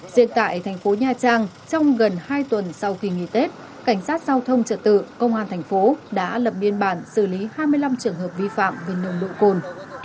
riêng tại thành phố nha trang trong gần hai tuần sau kỳ nghỉ tết cảnh sát giao thông trật tự công an thành phố đã lập biên bản xử lý hai mươi năm trường hợp vi phạm về nồng độ cồn